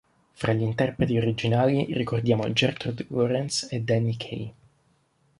Fra gli interpreti originali ricordiamo Gertrude Lawrence e Danny Kaye.